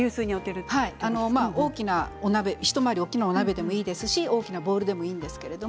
大きなお鍋一回り大きなお鍋でもいいですし大きなボウルでもいいです。